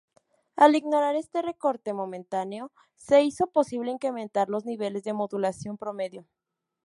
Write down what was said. Al ignorar este recorte momentáneo, se hizo posible incrementar los niveles de modulación promedio.